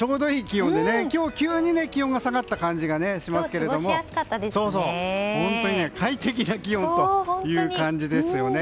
今日は急に気温が下がった感じがしますけど本当に快適な気温という感じですね。